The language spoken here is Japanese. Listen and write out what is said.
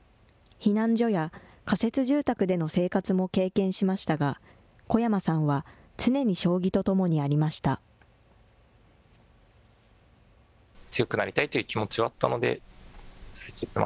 避難所や仮設住宅での生活も経験しましたが、小山さんは常に将棋と共にありました。